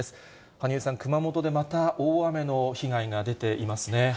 羽生さん、熊本でまた大雨の被害が出ていますね。